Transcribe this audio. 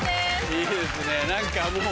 いいですね何かもう。